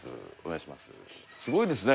すごいですね